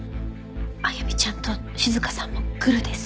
歩ちゃんと静さんもグルです。